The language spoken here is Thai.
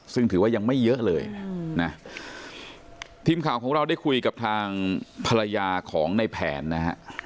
ซึ่งถือว่ายังไม่เยอะเลยนะทีมข่าวของเราได้คุยกับทางภรรยาของในแผนนะฮะ